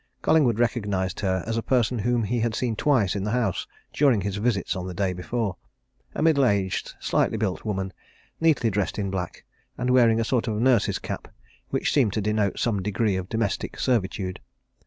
Collingwood recognized her as a person whom he had twice seen in the house during his visits on the day before a middle aged, slightly built woman, neatly dressed in black, and wearing a sort of nurse's cap which seemed to denote some degree of domestic servitude.